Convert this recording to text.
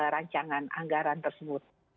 rancangan anggaran tersebut